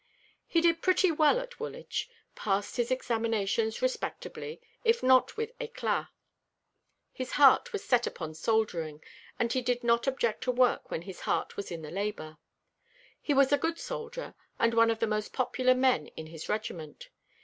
He did pretty well at Woolwich passed his examinations respectably, if not with éclat. His heart was set upon soldiering, and he did not object to work when his heart was in the labour. He was a good soldier, and one of the most popular men in his regiment.